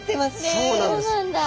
そうなんだ。